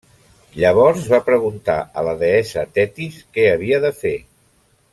Llavors va preguntar a la deessa Tetis què havia de fer.